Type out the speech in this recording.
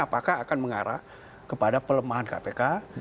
apakah akan mengarah kepada pelemahan kpk